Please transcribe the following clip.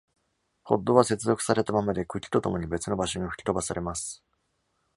ポッドは接続されたままで、茎とともに別の場所に吹き飛ばされます。